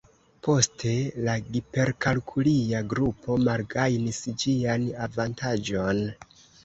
Poste la giperkalkulia grupo malgajnis ĝian avantaĝon.